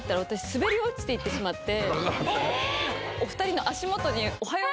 滑り降りていってしまって。